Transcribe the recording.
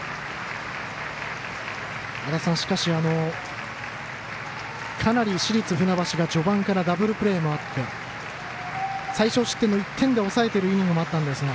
しかし、かなり市立船橋が序盤からダブルプレーもあって最少失点の１点で抑えているイニングもあったんですが。